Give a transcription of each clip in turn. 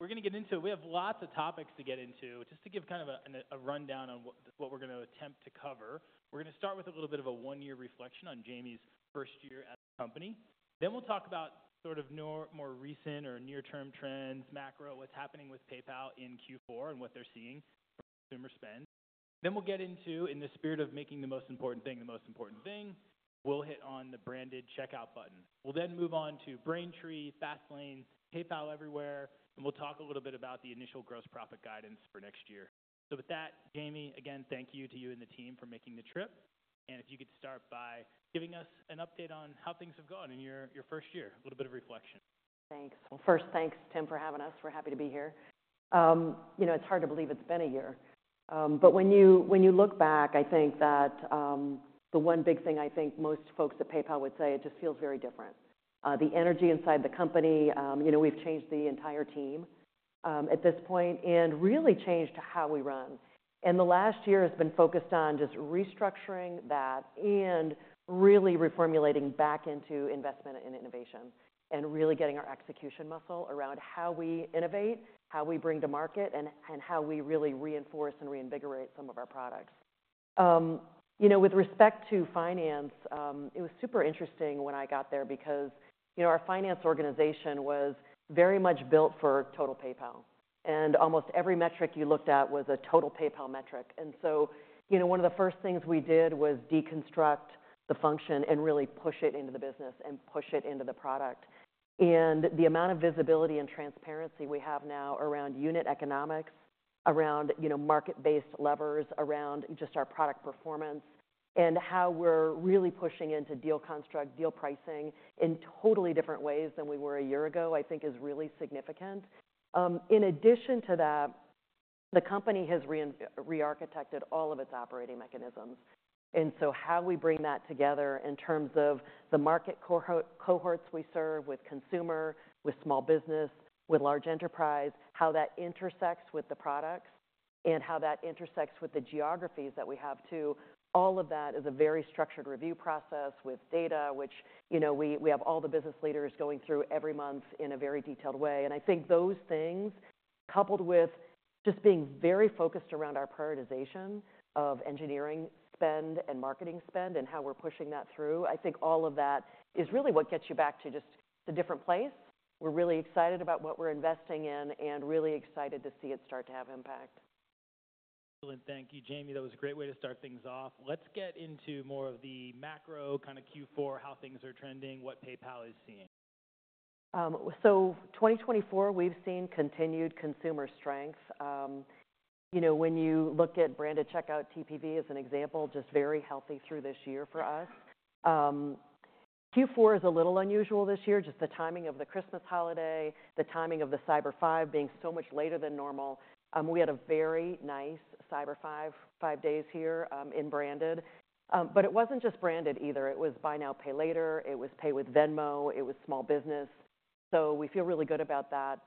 We're gonna get into it. We have lots of topics to get into. Just to give kind of a rundown on what we're gonna attempt to cover, we're gonna start with a little bit of a one-year reflection on Jamie's first year at the company. Then we'll talk about sort of more recent or near-term trends, macro, what's happening with PayPal in Q4 and what they're seeing from consumer spend. Then we'll get into, in the spirit of making the most important thing the most important thing, we'll hit on the Branded Checkout button. We'll then move on to Braintree, Fastlane, PayPal Everywhere, and we'll talk a little bit about the initial gross profit guidance for next year. So with that, Jamie, again, thank you to you and the team for making the trip. If you could start by giving us an update on how things have gone in your first year, a little bit of reflection. Thanks. Well, first, thanks, Tim, for having us. We're happy to be here. You know, it's hard to believe it's been a year. But when you, when you look back, I think that, the one big thing I think most folks at PayPal would say, it just feels very different. The energy inside the company, you know, we've changed the entire team, at this point, and really changed how we run. And the last year has been focused on just restructuring that and really reformulating back into investment and innovation and really getting our execution muscle around how we innovate, how we bring to market, and, and how we really reinforce and reinvigorate some of our products. You know, with respect to finance, it was super interesting when I got there because, you know, our finance organization was very much built for total PayPal. Almost every metric you looked at was a total PayPal metric. So, you know, one of the first things we did was deconstruct the function and really push it into the business and push it into the product. The amount of visibility and transparency we have now around unit economics, around, you know, market-based levers, around just our product performance, and how we're really pushing into deal construct, deal pricing in totally different ways than we were a year ago, I think, is really significant. In addition to that, the company has reinvented, re-architected all of its operating mechanisms. And so how we bring that together in terms of the market cohort, cohorts we serve with consumer, with small business, with large enterprise, how that intersects with the products, and how that intersects with the geographies that we have too, all of that is a very structured review process with data, which, you know, we have all the business leaders going through every month in a very detailed way. And I think those things, coupled with just being very focused around our prioritization of engineering spend and marketing spend and how we're pushing that through, I think all of that is really what gets you back to just the different place. We're really excited about what we're investing in and really excited to see it start to have impact. Excellent. Thank you, Jamie. That was a great way to start things off. Let's get into more of the macro kinda Q4, how things are trending, what PayPal is seeing. So, 2024, we've seen continued consumer strength. You know, when you look at Branded Checkout TPV as an example, just very healthy through this year for us. Q4 is a little unusual this year, just the timing of the Christmas holiday, the timing of the Cyber Five being so much later than normal. We had a very nice Cyber Five, five days here, in branded. But it wasn't just branded either. It was Buy Now, Pay Later. It was Pay with Venmo. It was small business. So we feel really good about that.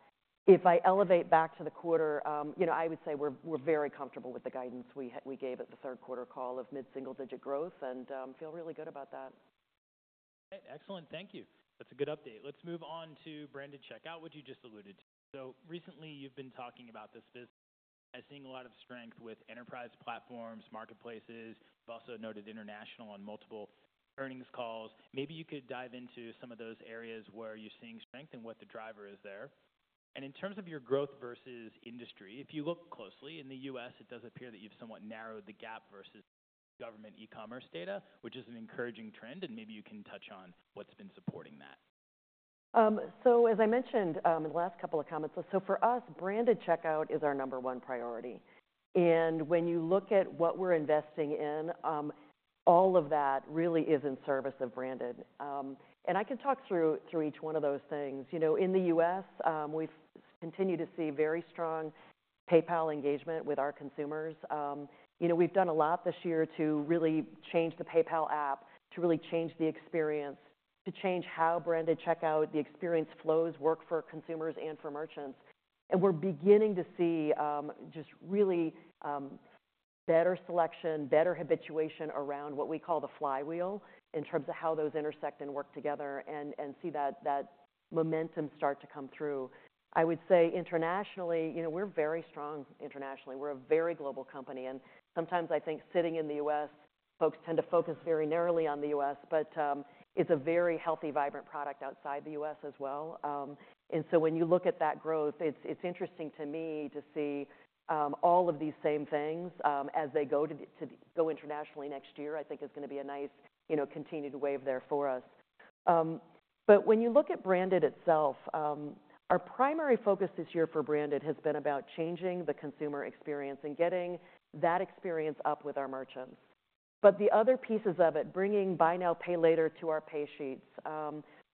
If I elevate back to the quarter, you know, I would say we're very comfortable with the guidance we gave at the third quarter call of mid-single-digit growth and feel really good about that. Excellent. Thank you. That's a good update. Let's move on to Branded Checkout, which you just alluded to. So recently, you've been talking about this business as seeing a lot of strength with enterprise platforms, marketplaces. You've also noted international on multiple earnings calls. Maybe you could dive into some of those areas where you're seeing strength and what the driver is there. And in terms of your growth versus industry, if you look closely in the U.S., it does appear that you've somewhat narrowed the gap versus government e-commerce data, which is an encouraging trend. And maybe you can touch on what's been supporting that. So as I mentioned in the last couple of comments, for us, Branded Checkout is our number one priority, and when you look at what we're investing in, all of that really is in service of Branded, and I can talk through each one of those things. You know, in the U.S., we've continued to see very strong PayPal engagement with our consumers. You know, we've done a lot this year to really change the PayPal app, to really change the experience, to change how Branded Checkout, the experience flows work for consumers and for merchants. And we're beginning to see just really better selection, better habituation around what we call the Flywheel in terms of how those intersect and work together and see that momentum start to come through. I would say internationally, you know, we're very strong internationally. We're a very global company. And sometimes I think sitting in the U.S., folks tend to focus very narrowly on the U.S., but it's a very healthy, vibrant product outside the U.S. as well. And so when you look at that growth, it's interesting to me to see all of these same things as they go internationally next year. I think it's gonna be a nice, you know, continued wave there for us. But when you look at Branded itself, our primary focus this year for Branded has been about changing the consumer experience and getting that experience up with our merchants. But the other pieces of it, bringing Buy Now, Pay Later to our pay sheets,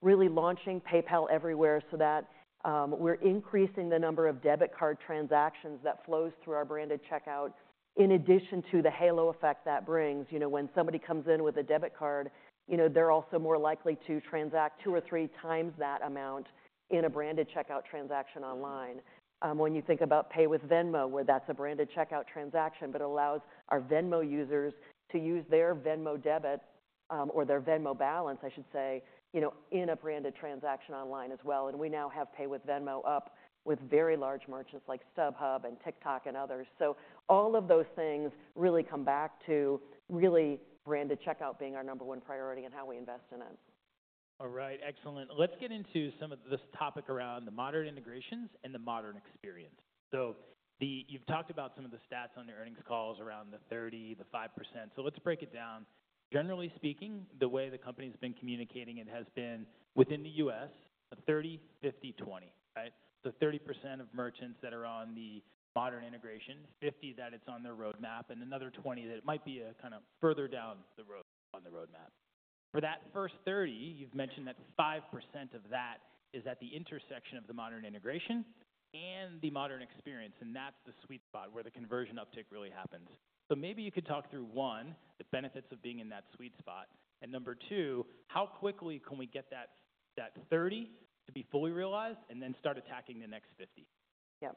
really launching PayPal Everywhere so that, we're increasing the number of debit card transactions that flows through our Branded Checkout in addition to the halo effect that brings, you know, when somebody comes in with a debit card, you know, they're also more likely to transact two or three times that amount in a Branded Checkout transaction online. When you think about Pay with Venmo, where that's a Branded Checkout transaction, but it allows our Venmo users to use their Venmo debit, or their Venmo balance, I should say, you know, in a branded transaction online as well. And we now have Pay with Venmo up with very large merchants like StubHub and TikTok and others. All of those things really come back to really Branded Checkout being our number one priority and how we invest in it. All right. Excellent. Let's get into some of this topic around the modern integrations and the modern experience. So the, you've talked about some of the stats on your earnings calls around the 30, the 5%. So let's break it down. Generally speaking, the way the company's been communicating it has been within the US, a 30, 50, 20, right? So 30% of merchants that are on the modern integration, 50 that it's on their roadmap, and another 20 that it might be a kinda further down the road on the roadmap. For that first 30, you've mentioned that 5% of that is at the intersection of the modern integration and the modern experience. And that's the sweet spot where the conversion uptick really happens. So maybe you could talk through one, the benefits of being in that sweet spot. Number two, how quickly can we get that 30 to be fully realized and then start attacking the next 50? Yep.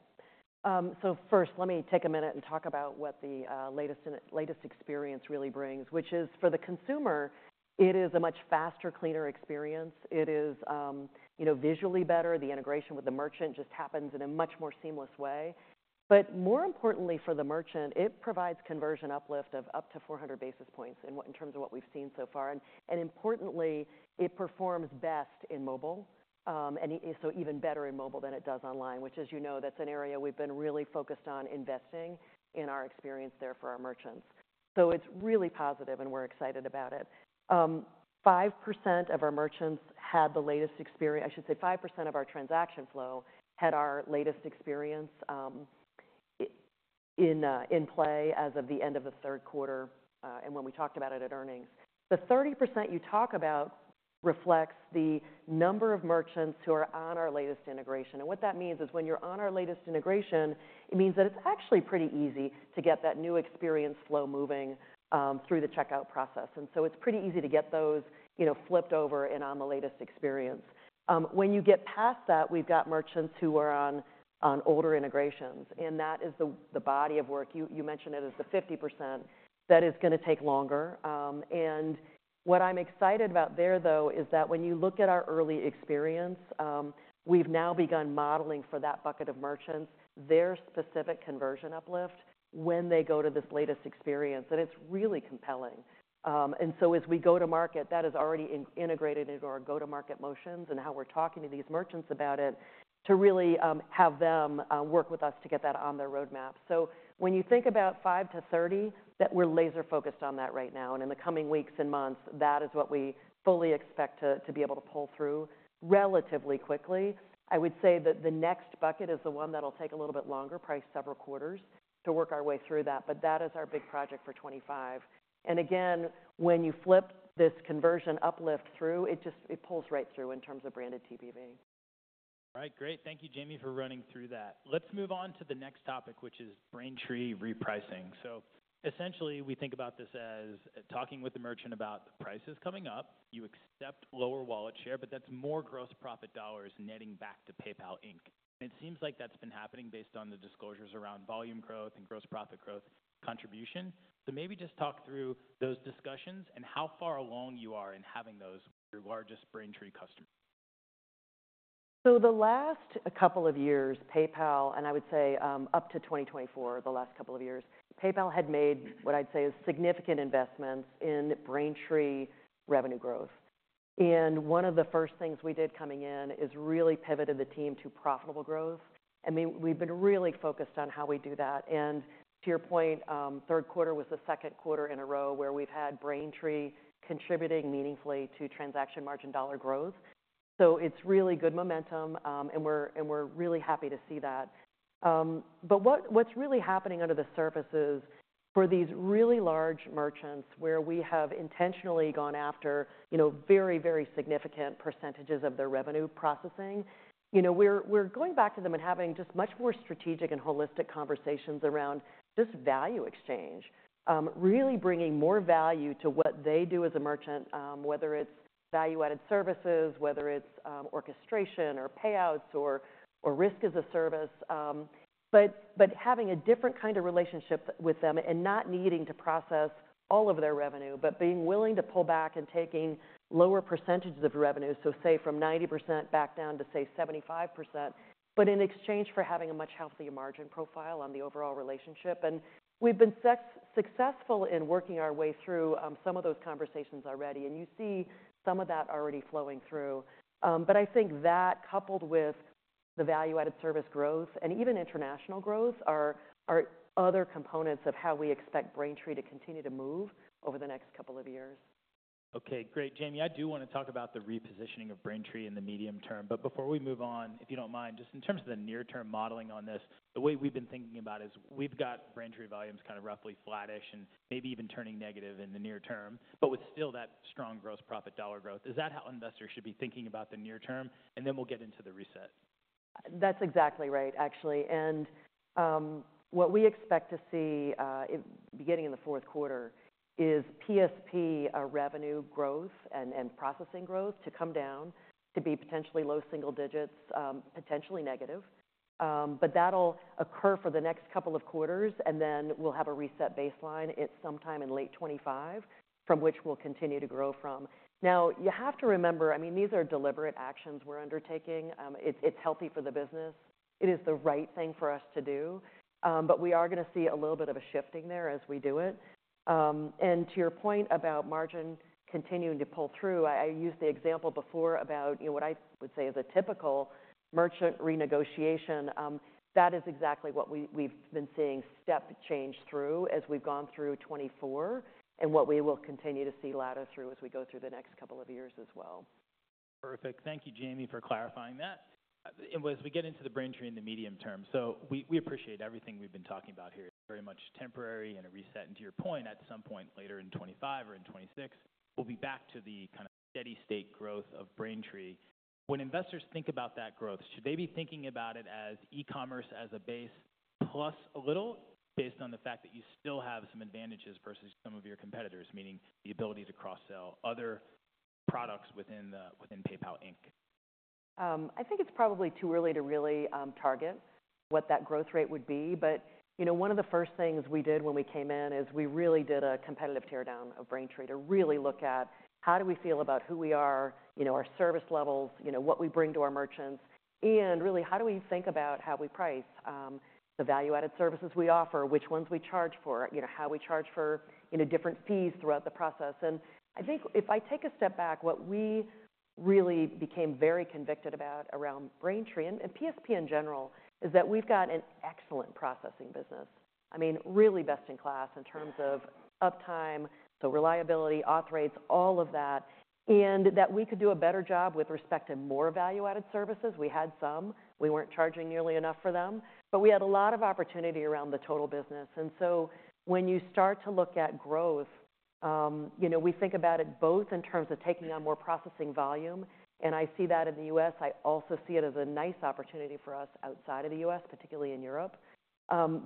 So first, let me take a minute and talk about what the latest Fastlane experience really brings, which is for the consumer, it is a much faster, cleaner experience. It is, you know, visually better. The integration with the merchant just happens in a much more seamless way. But more importantly, for the merchant, it provides conversion uplift of up to 400 basis points in terms of what we've seen so far. And importantly, it performs best in mobile. And it is so even better in mobile than it does online, which, as you know, that's an area we've been really focused on investing in our experience there for our merchants. So it's really positive, and we're excited about it. 5% of our merchants had the latest Fastlane experience. I should say 5% of our transaction flow had our latest experience in play as of the end of the third quarter, and when we talked about it at earnings. The 30% you talk about reflects the number of merchants who are on our latest integration. And what that means is when you're on our latest integration, it means that it's actually pretty easy to get that new experience flow moving through the checkout process. And so it's pretty easy to get those, you know, flipped over and on the latest experience. When you get past that, we've got merchants who are on older integrations. And that is the body of work. You mentioned it as the 50% that is gonna take longer. And what I'm excited about there, though, is that when you look at our early experience, we've now begun modeling for that bucket of merchants, their specific conversion uplift when they go to this latest experience. And it's really compelling. And so as we go to market, that is already integrated into our go-to-market motions and how we're talking to these merchants about it to really have them work with us to get that on their roadmap. So when you think about 5-30, that we're laser-focused on that right now. And in the coming weeks and months, that is what we fully expect to be able to pull through relatively quickly. I would say that the next bucket is the one that'll take a little bit longer, probably several quarters, to work our way through that. But that is our big project for 2025. And again, when you flip this conversion uplift through, it just, it pulls right through in terms of branded TPV. All right. Great. Thank you, Jamie, for running through that. Let's move on to the next topic, which is Braintree, repricing. So essentially, we think about this as talking with the merchant about the prices coming up. You accept lower wallet share, but that's more gross profit dollars netting back to PayPal Inc. And it seems like that's been happening based on the disclosures around volume growth and gross profit growth contribution. So maybe just talk through those discussions and how far along you are in having those with your largest Braintree customer. So the last couple of years, PayPal, and I would say, up to 2024, the last couple of years, PayPal had made what I'd say is significant investments in Braintree revenue growth. And one of the first things we did coming in is really pivoted the team to profitable growth. I mean, we've been really focused on how we do that. And to your point, third quarter was the second quarter in a row where we've had Braintree contributing meaningfully to Transaction Margin Dollar growth. So it's really good momentum, and we're, and we're really happy to see that. But what's really happening under the surface is for these really large merchants where we have intentionally gone after, you know, very, very significant percentages of their revenue processing. You know, we're going back to them and having just much more strategic and holistic conversations around just value exchange, really bringing more value to what they do as a merchant, whether it's value-added services, whether it's orchestration or payouts or risk as a service. But having a different kind of relationship with them and not needing to process all of their revenue, but being willing to pull back and taking lower percentages of revenue, so say from 90% back down to say 75%, but in exchange for having a much healthier margin profile on the overall relationship. And we've been successful in working our way through some of those conversations already. And you see some of that already flowing through. But I think that coupled with the value-added service growth and even international growth are other components of how we expect Braintree to continue to move over the next couple of years. Okay. Great. Jamie, I do wanna talk about the repositioning of Braintree in the medium term. But before we move on, if you don't mind, just in terms of the near-term modeling on this, the way we've been thinking about is we've got Braintree volumes kinda roughly flattish and maybe even turning negative in the near term, but with still that strong gross profit dollar growth. Is that how investors should be thinking about the near term, and then we'll get into the reset? That's exactly right, actually, and what we expect to see, beginning in the fourth quarter, is PSP revenue growth and processing growth to come down to be potentially low single digits, potentially negative. But that'll occur for the next couple of quarters, and then we'll have a reset baseline. It's sometime in late 2025 from which we'll continue to grow from. Now, you have to remember, I mean, these are deliberate actions we're undertaking. It's healthy for the business. It is the right thing for us to do. But we are gonna see a little bit of a shifting there as we do it. And to your point about margin continuing to pull through, I used the example before about, you know, what I would say is a typical merchant renegotiation. That is exactly what we've been seeing step change through as we've gone through 2024 and what we will continue to see ladder through as we go through the next couple of years as well. Perfect. Thank you, Jamie, for clarifying that. And as we get into the Braintree in the medium term, so we appreciate everything we've been talking about here. It's very much temporary and a reset. And to your point, at some point later in 2025 or in 2026, we'll be back to the kind of steady state growth of Braintree. When investors think about that growth, should they be thinking about it as e-commerce as a base plus a little based on the fact that you still have some advantages versus some of your competitors, meaning the ability to cross-sell other products within the PayPal Inc? I think it's probably too early to really target what that growth rate would be. But, you know, one of the first things we did when we came in is we really did a competitive tear down of Braintree to really look at how do we feel about who we are, you know, our service levels, you know, what we bring to our merchants, and really how do we think about how we price, the value-added services we offer, which ones we charge for, you know, how we charge for, you know, different fees throughout the process. And I think if I take a step back, what we really became very convicted about around Braintree and PSP in general is that we've got an excellent processing business. I mean, really best in class in terms of uptime, so reliability, auth rates, all of that, and that we could do a better job with respect to more value-added services. We had some. We weren't charging nearly enough for them, but we had a lot of opportunity around the total business, and so when you start to look at growth, you know, we think about it both in terms of taking on more processing volume, and I see that in the U.S. I also see it as a nice opportunity for us outside of the U.S., particularly in Europe,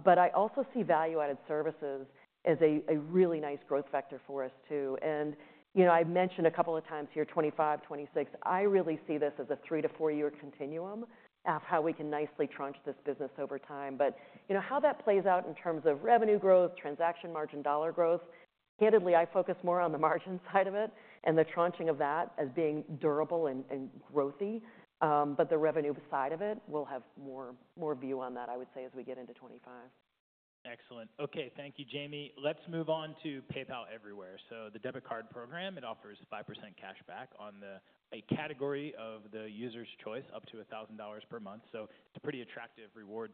but I also see value-added services as a really nice growth factor for us too, and, you know, I've mentioned a couple of times here, 2025, 2026, I really see this as a three to four-year continuum of how we can nicely tranche this business over time. But, you know, how that plays out in terms of revenue growth, transaction margin dollar growth. Candidly, I focus more on the margin side of it and the tranching of that as being durable and growthy. But the revenue side of it, we'll have more view on that, I would say, as we get into 2025. Excellent. Okay. Thank you, Jamie. Let's move on to PayPal Everywhere. So the debit card program, it offers 5% cashback on a category of the user's choice up to $1,000 per month. So it's a pretty attractive rewards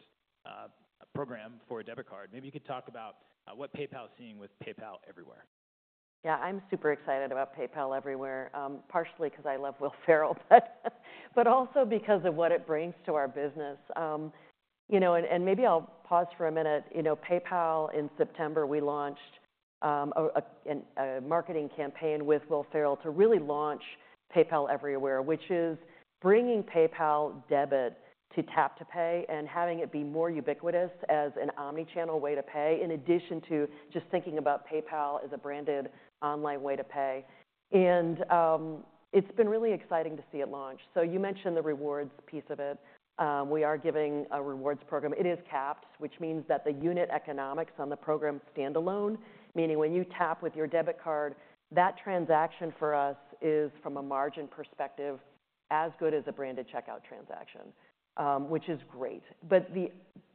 program for a debit card. Maybe you could talk about what PayPal's seeing with PayPal Everywhere. Yeah. I'm super excited about PayPal Everywhere, partially 'cause I love Will Ferrell, but also because of what it brings to our business, you know, and maybe I'll pause for a minute. You know, PayPal in September, we launched a marketing campaign with Will Ferrell to really launch PayPal Everywhere, which is bringing PayPal debit to tap to pay and having it be more ubiquitous as an omnichannel way to pay in addition to just thinking about PayPal as a branded online way to pay, and it's been really exciting to see it launch. So you mentioned the rewards piece of it. We are giving a rewards program. It is capped, which means that the unit economics on the program stand alone, meaning when you tap with your debit card, that transaction for us is, from a margin perspective, as good as a branded checkout transaction, which is great. The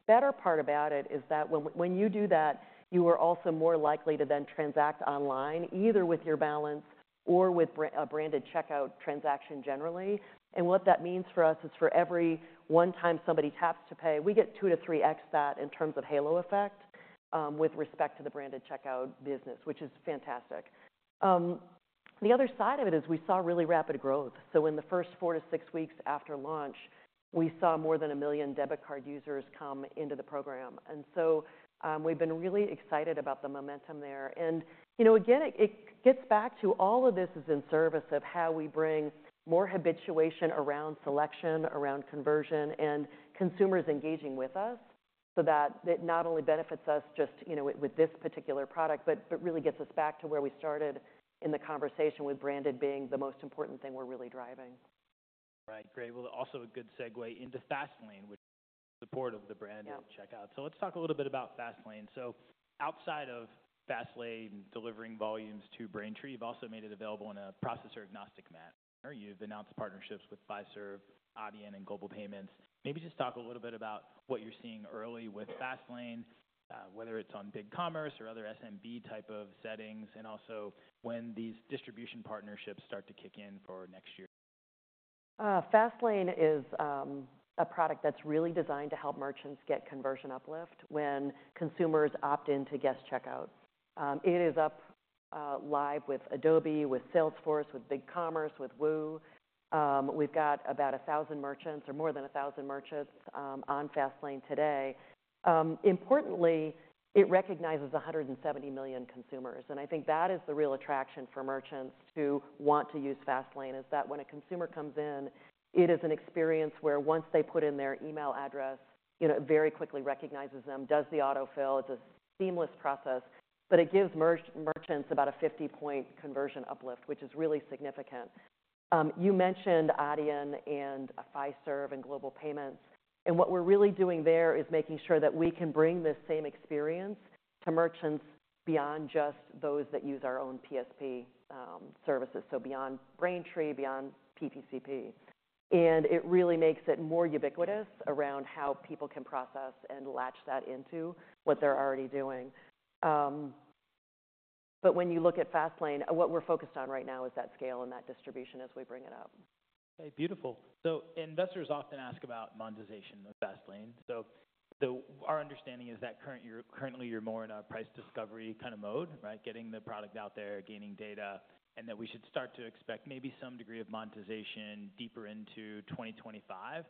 better part about it is that when you do that, you are also more likely to then transact online either with your balance or with a branded checkout transaction generally. What that means for us is for every one time somebody taps to pay, we get two to three X that in terms of halo effect, with respect to the branded checkout business, which is fantastic. The other side of it is we saw really rapid growth. In the first four to six weeks after launch, we saw more than a million debit card users come into the program. And so, we've been really excited about the momentum there. And, you know, again, it gets back to all of this is in service of how we bring more habituation around selection, around conversion, and consumers engaging with us so that it not only benefits us just, you know, with this particular product, but really gets us back to where we started in the conversation with branded being the most important thing we're really driving. Right. Great. Well, also a good segue into Fastlane, which is support of the branded checkout. So let's talk a little bit about Fastlane. So outside of Fastlane delivering volumes to Braintree, you've also made it available in a processor agnostic manner. You've announced partnerships with Fiserv, Adyen, and Global Payments. Maybe just talk a little bit about what you're seeing early with Fastlane, whether it's on BigCommerce or other SMB type of settings, and also when these distribution partnerships start to kick in for next year. Fastlane is a product that's really designed to help merchants get conversion uplift when consumers opt into guest checkout. It is up live with Adobe, with Salesforce, with BigCommerce, with Woo. We've got about 1,000 merchants or more than 1,000 merchants on Fastlane today. Importantly, it recognizes 170 million consumers. And I think that is the real attraction for merchants who want to use Fastlane is that when a consumer comes in, it is an experience where once they put in their email address, you know, it very quickly recognizes them, does the autofill. It's a seamless process, but it gives merchants about a 50-point conversion uplift, which is really significant. You mentioned Adyen and Fiserv and Global Payments. And what we're really doing there is making sure that we can bring this same experience to merchants beyond just those that use our own PSP services, so beyond Braintree, beyond PPCP, and it really makes it more ubiquitous around how people can process and latch that into what they're already doing, but when you look at Fastlane, what we're focused on right now is that scale and that distribution as we bring it up. Okay. Beautiful. So investors often ask about monetization of Fastlane. So, our understanding is that currently, you're more in a price discovery kind of mode, right? Getting the product out there, gaining data, and that we should start to expect maybe some degree of monetization deeper into 2025. Can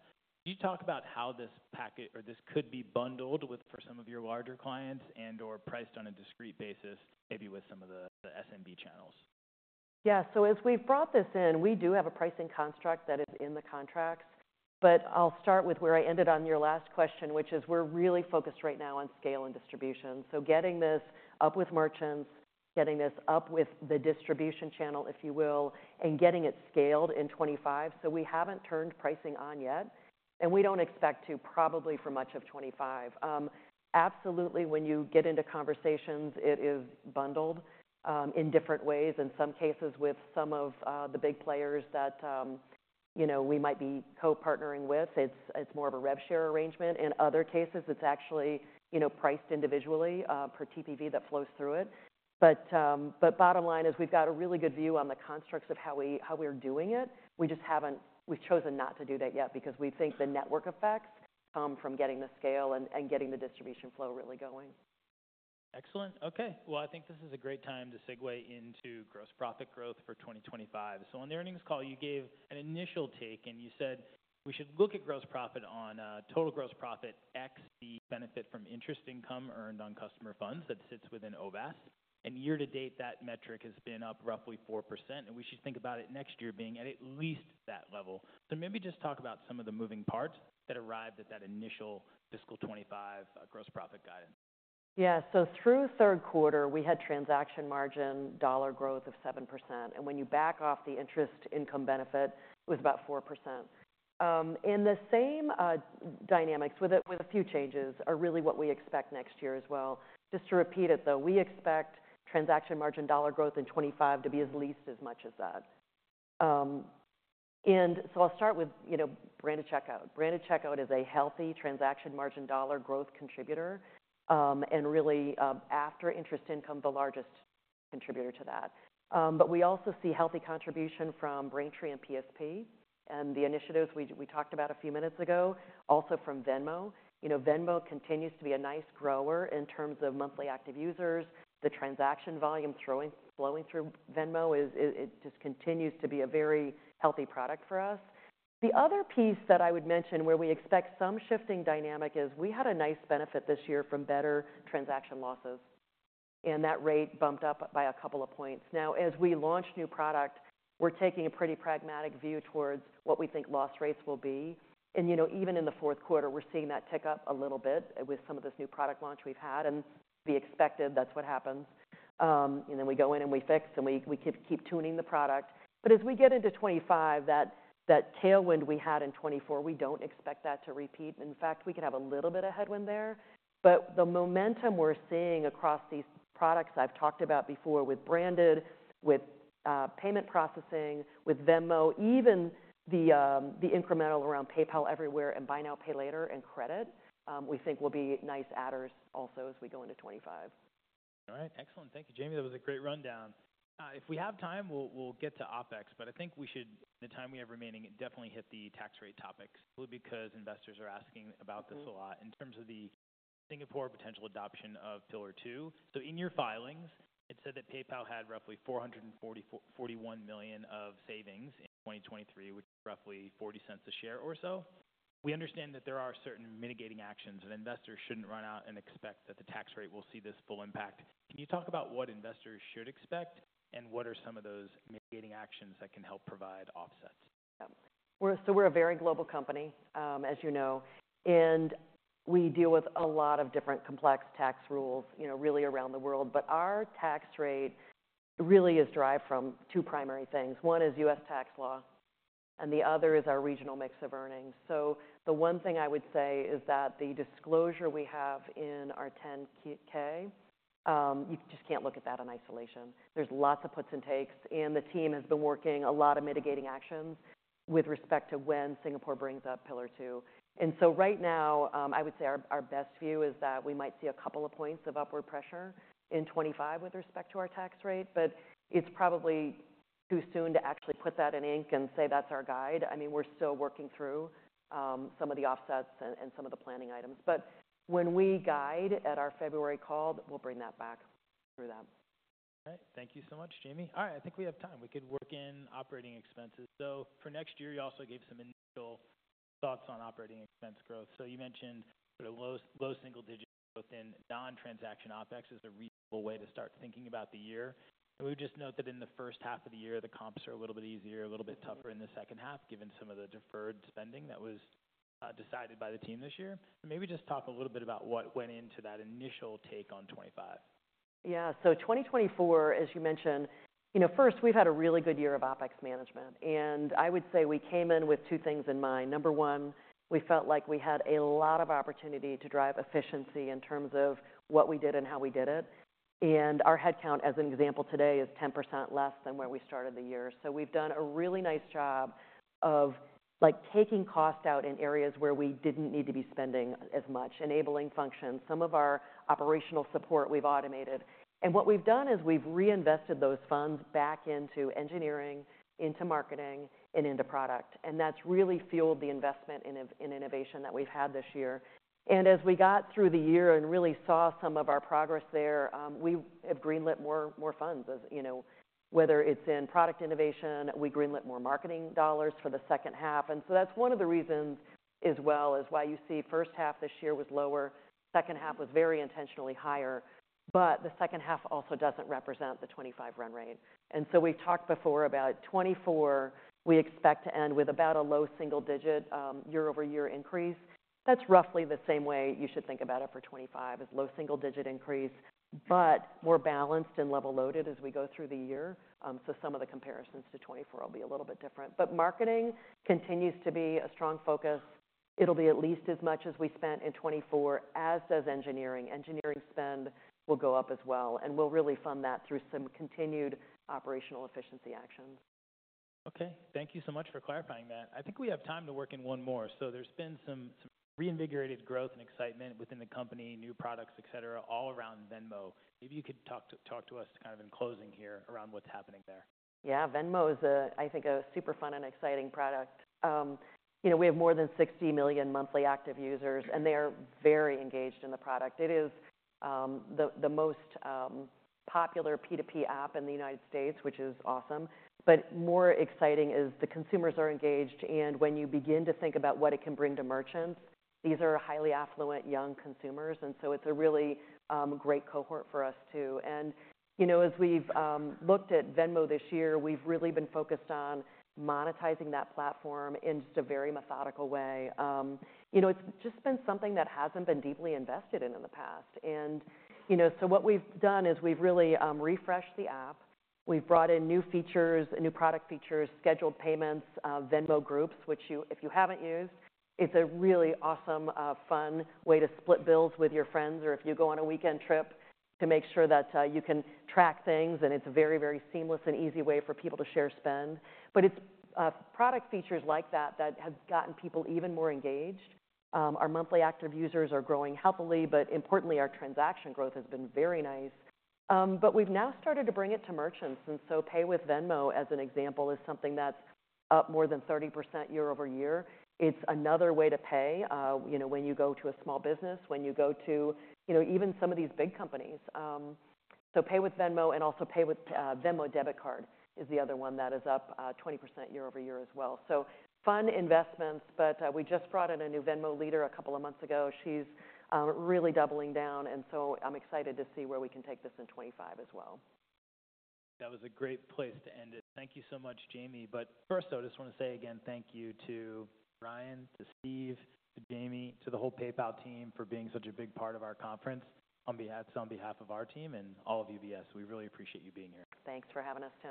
you talk about how this product or this could be bundled with for some of your larger clients and/or priced on a discrete basis, maybe with some of the SMB channels? Yeah. So as we've brought this in, we do have a pricing construct that is in the contracts. But I'll start with where I ended on your last question, which is we're really focused right now on scale and distribution. So getting this up with merchants, getting this up with the distribution channel, if you will, and getting it scaled in 2025. So we haven't turned pricing on yet, and we don't expect to probably for much of 2025. Absolutely. When you get into conversations, it is bundled in different ways. In some cases with some of the big players that, you know, we might be co-partnering with, it's more of a rev share arrangement. In other cases, it's actually, you know, priced individually, per TPV that flows through it. But bottom line is we've got a really good view on the constructs of how we're doing it. We just haven't, we've chosen not to do that yet because we think the network effects come from getting the scale and getting the distribution flow really going. Excellent. Okay. I think this is a great time to segue into gross profit growth for 2025. So on the earnings call, you gave an initial take and you said we should look at gross profit on total gross profit ex the benefit from interest income earned on customer funds that sits within OVAS. And year to date, that metric has been up roughly 4%. And we should think about it next year being at least that level. So maybe just talk about some of the moving parts that arrived at that initial fiscal 2025 gross profit guidance. Yeah. So through third quarter, we had Transaction Margin Dollar growth of 7%. And when you back off the interest income benefit, it was about 4%. And the same dynamics with it, with a few changes are really what we expect next year as well. Just to repeat it though, we expect Transaction Margin Dollar growth in 2025 to be at least as much as that. And so I'll start with, you know, Branded Checkout. Branded Checkout is a healthy Transaction Margin Dollar growth contributor, and really, after interest income, the largest contributor to that. But we also see healthy contribution from Braintree and PSP and the initiatives we talked about a few minutes ago, also from Venmo. You know, Venmo continues to be a nice grower in terms of monthly active users. The transaction volume growing, flowing through Venmo is. It just continues to be a very healthy product for us. The other piece that I would mention where we expect some shifting dynamic is we had a nice benefit this year from better transaction losses, and that rate bumped up by a couple of points. Now, as we launch new product, we're taking a pretty pragmatic view towards what we think loss rates will be, and you know, even in the fourth quarter, we're seeing that tick up a little bit with some of this new product launch we've had, and it would be expected that's what happens, and then we go in and we fix and we keep tuning the product. But as we get into 2025, that tailwind we had in 2024, we don't expect that to repeat. In fact, we could have a little bit of headwind there. But the momentum we're seeing across these products I've talked about before with branded, payment processing, with Venmo, even the incremental around PayPal Everywhere and Buy Now Pay Later and credit, we think will be nice adders also as we go into 2025. All right. Excellent. Thank you, Jamie. That was a great rundown. If we have time, we'll get to OPEX, but I think we should, in the time we have remaining, definitely hit the tax rate topic simply because investors are asking about this a lot in terms of the Singapore potential adoption of Pillar Two. So in your filings, it said that PayPal had roughly $444.41 million of savings in 2023, which is roughly $0.40 a share or so. We understand that there are certain mitigating actions that investors shouldn't run out and expect that the tax rate will see this full impact. Can you talk about what investors should expect and what are some of those mitigating actions that can help provide offsets? Yeah. So we're a very global company, as you know, and we deal with a lot of different complex tax rules, you know, really around the world. But our tax rate really is derived from two primary things. One is US tax law, and the other is our regional mix of earnings. So the one thing I would say is that the disclosure we have in our 10-K, you just can't look at that in isolation. There's lots of puts and takes, and the team has been working a lot of mitigating actions with respect to when Singapore brings up Pillar Two. And so right now, I would say our best view is that we might see a couple of points of upward pressure in 2025 with respect to our tax rate, but it's probably too soon to actually put that in ink and say that's our guide. I mean, we're still working through some of the offsets and some of the planning items. But when we guide at our February call, we'll bring that back through that. All right. Thank you so much, Jamie. All right. I think we have time. We could work in operating expenses. So for next year, you also gave some initial thoughts on operating expense growth. So you mentioned sort of low, low single digit growth in non-transaction OpEx is a reasonable way to start thinking about the year. And we would just note that in the first half of the year, the comps are a little bit easier, a little bit tougher in the second half, given some of the deferred spending that was decided by the team this year. Maybe just talk a little bit about what went into that initial take on 2025. Yeah. So 2024, as you mentioned, you know, first we've had a really good year of OPEX management. And I would say we came in with two things in mind. Number one, we felt like we had a lot of opportunity to drive efficiency in terms of what we did and how we did it. And our headcount, as an example today, is 10% less than where we started the year. So we've done a really nice job of, like, taking cost out in areas where we didn't need to be spending as much, enabling functions. Some of our operational support we've automated. And what we've done is we've reinvested those funds back into engineering, into marketing, and into product. And that's really fueled the investment in, in innovation that we've had this year. And as we got through the year and really saw some of our progress there, we have greenlit more, more funds as, you know, whether it's in product innovation, we greenlit more marketing dollars for the second half. And so that's one of the reasons as well is why you see first half this year was lower, second half was very intentionally higher, but the second half also doesn't represent the 2025 run rate. And so we've talked before about 2024, we expect to end with about a low single digit, year-over-year increase. That's roughly the same way you should think about it for 2025 is low single digit increase, but more balanced and level loaded as we go through the year, so some of the comparisons to 2024 will be a little bit different. But marketing continues to be a strong focus. It'll be at least as much as we spent in 2024, as does engineering. Engineering spend will go up as well, and we'll really fund that through some continued operational efficiency actions. Okay. Thank you so much for clarifying that. I think we have time to work in one more. So there's been some reinvigorated growth and excitement within the company, new products, et cetera, all around Venmo. Maybe you could talk to us kind of in closing here around what's happening there. Yeah. Venmo is a, I think, a super fun and exciting product. You know, we have more than 60 million monthly active users, and they are very engaged in the product. It is the most popular P2P app in the United States, which is awesome. But more exciting is the consumers are engaged. And when you begin to think about what it can bring to merchants, these are highly affluent young consumers. And so it's a really great cohort for us too. And you know, as we've looked at Venmo this year, we've really been focused on monetizing that platform in just a very methodical way. You know, it's just been something that hasn't been deeply invested in in the past. And you know, so what we've done is we've really refreshed the app. We've brought in new features, new product features, scheduled payments, Venmo Groups, which you, if you haven't used, it's a really awesome, fun way to split bills with your friends or if you go on a weekend trip to make sure that you can track things. And it's a very, very seamless and easy way for people to share spend. But it's product features like that that have gotten people even more engaged. Our monthly active users are growing healthily, but importantly, our transaction growth has been very nice. But we've now started to bring it to merchants. And so Pay with Venmo as an example is something that's up more than 30% year-over-year. It's another way to pay, you know, when you go to a small business, when you go to, you know, even some of these big companies. So Pay with Venmo and also Pay with Venmo Debit Card is the other one that is up 20% year-over-year as well. So fun investments, but we just brought in a new Venmo leader a couple of months ago. She's really doubling down, and so I'm excited to see where we can take this in 2025 as well. That was a great place to end it. Thank you so much, Jamie. But first, I just want to say again, thank you to Ryan, to Steve, to Jamie, to the whole PayPal team for being such a big part of our conference on behalf of our team and all of UBS. We really appreciate you being here. Thanks for having us here.